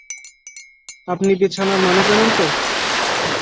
আপনি বিছানার মানে জানেন তো?